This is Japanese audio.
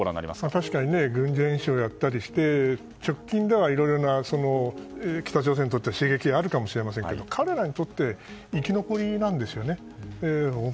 確かに軍事演習をやったりして直近では北朝鮮に対して刺激があるかもしれませんが彼らにとって生き残りなんですよね。